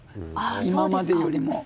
今までよりも。